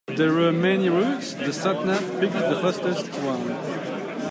There were many routes, the sat-nav picked the fastest one.